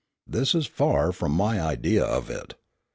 This is far from my idea of it.